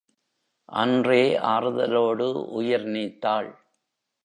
அன்றே ஆறுதலோடு உயிர்நீத்தாள்.